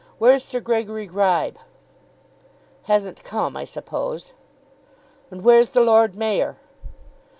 Where's Sir Gregory Gribe?" "Hasn't come, I suppose." "And where's the Lord Mayor?"